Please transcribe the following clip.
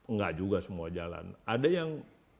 enggak juga semua jalan ada yang